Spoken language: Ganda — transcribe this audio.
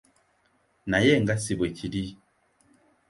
Naye nga si bwe kiri.